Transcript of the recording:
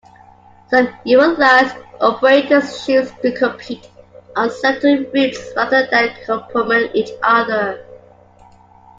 Some Eurolines operators choose to compete on certain routes rather than complement each other.